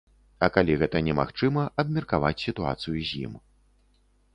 А калі гэта немагчыма, абмеркаваць сітуацыю з ім.